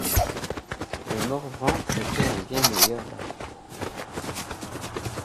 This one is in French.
Le Morvran était un bien meilleur bateau.